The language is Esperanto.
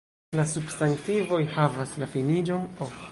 La substantivoj havas la finiĝon o.